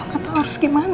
gak tau harus gimana